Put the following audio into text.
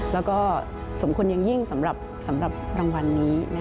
แล้วก็สมควรอย่างยิ่งสำหรับรางวัลนี้